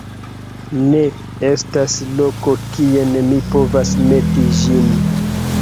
Ne estas loko kien mi povas meti ĝin!